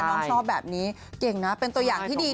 น้องชอบแบบนี้เก่งนะเป็นตัวอย่างที่ดี